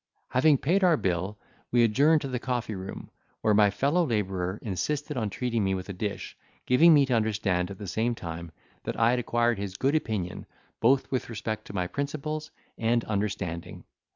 Having paid our bill, we adjourned to the coffee room, where my fellow labourer insisted on treating me with a dish, giving me to understand, at the same time, that I had acquired his good opinion, both with respect to my principles and understanding.